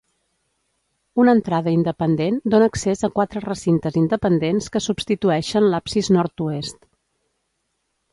Una entrada independent dóna accés a quatre recintes independents que substitueixen l'absis nord-oest.